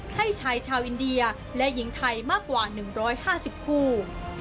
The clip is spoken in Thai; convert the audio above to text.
ให้ชายชาวอินเดียและหญิงไทยมากกว่า๑๕๐คู่